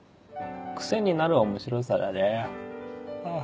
癖になる面白さだねあぁ。